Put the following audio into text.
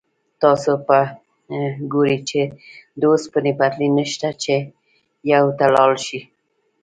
تاسو به ګورئ چې د اوسپنې پټلۍ نشته چې بو ته لاړ شئ.